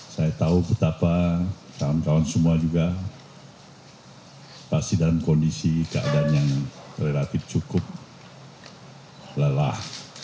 saya tahu betapa kawan kawan semua juga pasti dalam kondisi keadaan yang relatif cukup lelah